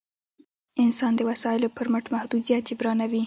انسان د وسایلو پر مټ محدودیت جبرانوي.